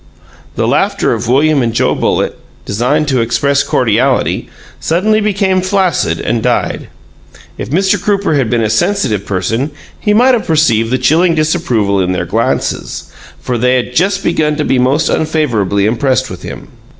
The laughter of William and Joe Bullitt, designed to express cordiality, suddenly became flaccid and died. If Mr. Crooper had been a sensitive person he might have perceived the chilling disapproval in their glances, for they had just begun to be most unfavorably impressed with him.